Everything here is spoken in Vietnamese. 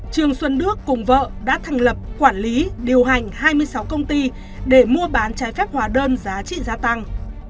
trương xuân đức cùng vợ đã thành lập quản lý điều hành hai mươi sáu công ty để mua bán trái phép hóa đơn giá trị gia tăng